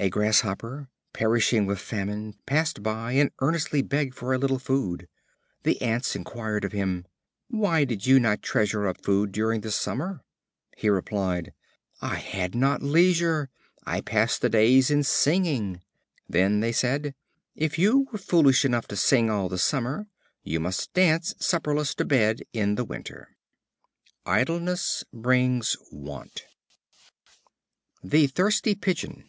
A Grasshopper, perishing with famine, passed by and earnestly begged for a little food. The Ants inquired of him: "Why did you not treasure up food during the summer?" He replied: "I had not leisure; I passed the days in singing." They then said: "If you were foolish enough to sing all the summer, you must dance supperless to bed in the winter." Idleness brings want. The Thirsty Pigeon.